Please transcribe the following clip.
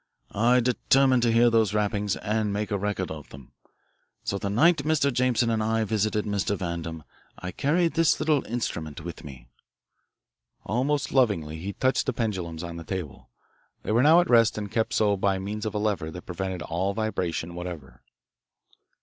I determined to hear those rappings, and make a record of them. So, the night Mr. Jameson and I visited Mr. Vandam, I carried this little instrument with me." Almost lovingly he touched the pendulums on the table. They were now at rest and kept so by means of a lever that prevented all vibration whatever.